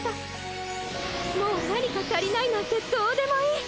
もう何か足りないなんてどうでもいい。